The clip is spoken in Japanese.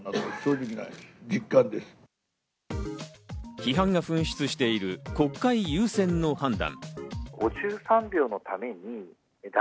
批判が噴出している国会優先の判断。